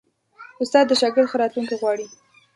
استاد د شاګرد ښه راتلونکی غواړي.